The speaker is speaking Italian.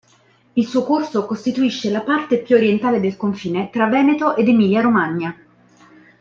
Il suo corso costituisce la parte più orientale del confine tra Veneto ed Emilia-Romagna.